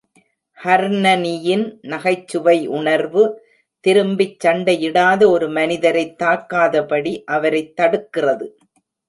ஹர்னனியின் நகைச்சுவை உணர்வு, திரும்பிச் சண்டையிடாத ஒரு மனிதரைத் தாக்காதபடி அவரைத் தடுக்கிறது.